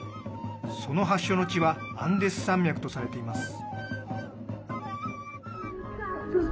その発祥の地はアンデス山脈とされています。